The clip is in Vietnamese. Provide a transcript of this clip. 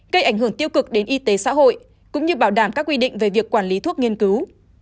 gây ảnh hưởng tiêu cực đến y tế xã hội cũng như bảo đảm các quy định về việc quản lý thuốc nghiên cứu